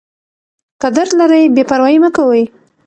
که درد لرئ بې پروايي مه کوئ.